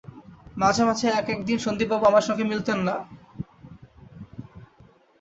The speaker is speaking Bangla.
মাঝে মাঝে এক-এক দিন সন্দীপবাবু আমার সঙ্গে মতে মিলতেন না।